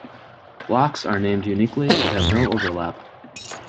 Blocks are named uniquely and have no overlap.